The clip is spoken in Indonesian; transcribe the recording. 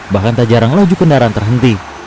bahkan tak jarang laju kendaraan terhenti